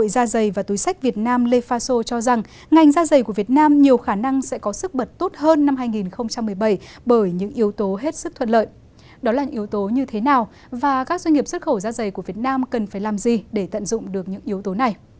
các doanh nghiệp xuất khẩu da dày của việt nam cần phải làm gì để tận dụng được những yếu tố này